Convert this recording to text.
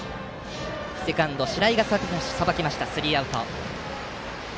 セカンドの白井がさばいてスリーアウト。